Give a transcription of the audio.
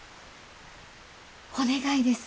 お願いです。